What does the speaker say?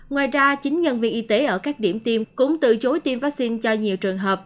ngoài ra chính nhân viên y tế ở các điểm tiêm cũng từ chối tiêm vaccine cho nhiều trường hợp